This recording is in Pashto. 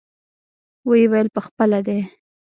ويې ويل پخپله دى.